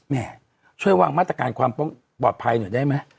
แม่ช่วยวางมาตรการความปลอดภัยหน่อยได้ไหม